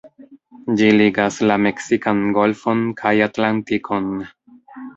Ĝi ligas la Meksikan Golfon kaj Atlantikon.